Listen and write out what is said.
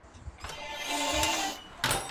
په لویه جرګه کي امنیت څنګه تامین کیږي؟